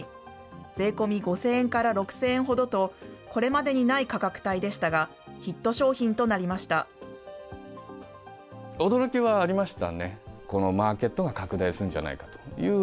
税込み５０００円から６０００円ほどと、これまでにない価格帯でしたが、ヒット商品となりました。